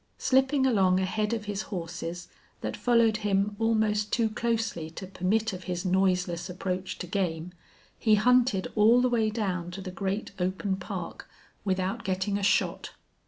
Slipping along ahead of his horses, that followed, him almost too closely to permit of his noiseless approach to game, he hunted all the way down to the great open park without getting a shot.